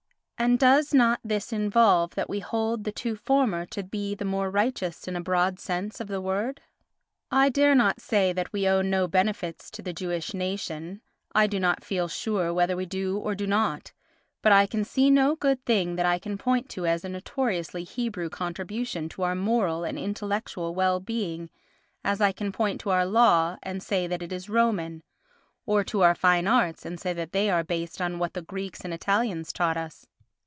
And does not this involve that we hold the two former to be the more righteous in a broad sense of the word? I dare not say that we owe no benefits to the Jewish nation, I do not feel sure whether we do or do not, but I can see no good thing that I can point to as a notoriously Hebrew contribution to our moral and intellectual well being as I can point to our law and say that it is Roman, or to our fine arts and say that they are based on what the Greeks and Italians taught us.